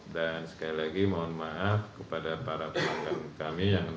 dan sekali lagi mohon maaf kepada para pelanggan kami yang enam puluh tiga